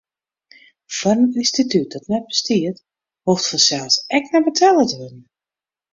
Foar in ynstitút dat net bestiet, hoecht fansels ek net betelle te wurden.